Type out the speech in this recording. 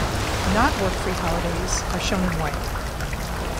Not work-free holidays are shown in white.